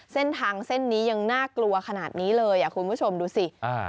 เส้นทางเส้นนี้ยังน่ากลัวขนาดนี้เลยอ่ะคุณผู้ชมดูสิอ่า